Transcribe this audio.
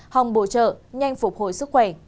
hòng bổ trợ nhanh phục hồi sức khỏe